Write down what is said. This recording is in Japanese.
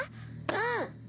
うん！